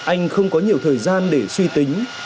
anh không có nhiều thời gian để suy tính